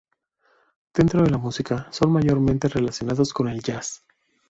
Dentro de la música, son mayormente relacionados con el jazz.